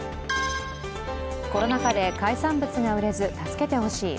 コロナ禍で海産物が売れず、助けてほしい。